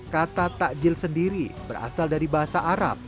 kata takjil sendiri berasal dari bahasa arab